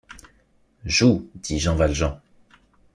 Joue, dit Jean Valjean.